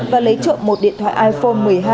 và lấy trộm một điện thoại iphone một mươi hai